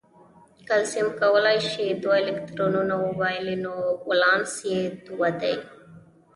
کلسیم کولای شي دوه الکترونونه وبایلي نو ولانس یې دوه دی.